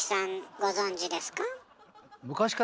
ご存じですか？